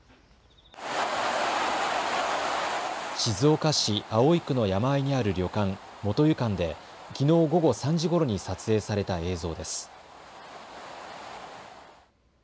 静岡市葵区の山あいにある旅館元湯館できのう午後３時ごろに撮影された映像です。